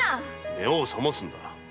目を覚ますんだ。